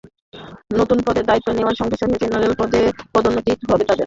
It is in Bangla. নতুন পদের দায়িত্ব নেওয়ার সঙ্গে সঙ্গে জেনারেল পদে পদোন্নতি হবে তাঁদের।